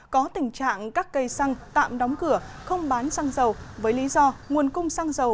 có tình trạng các cây xăng tạm đóng cửa không bán xăng dầu với lý do nguồn cung xăng dầu